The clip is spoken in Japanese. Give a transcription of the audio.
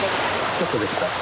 ちょっとできた？